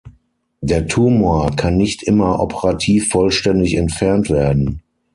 Der Tumor kann nicht immer operativ vollständig entfernt werden.